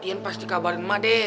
ian pasti kabarin emak deh